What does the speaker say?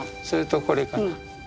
それとこれかな。